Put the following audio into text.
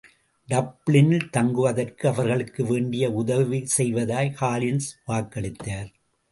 டப்ளினில் தங்குவதற்கு அவர்களுக்கு வேண்டிய உதவி செய்வதாய் காலின்ஸ் வாக்களித்தார்.